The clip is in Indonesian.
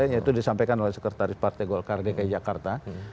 yaitu disampaikan oleh sekretaris partai golkar dki jakarta